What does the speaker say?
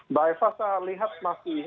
mbak eva saya lihat masih